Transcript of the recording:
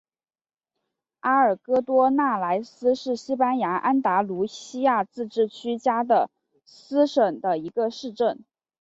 阿尔戈多纳莱斯是西班牙安达卢西亚自治区加的斯省的一个市镇。